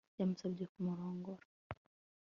Yamusabye kumurongora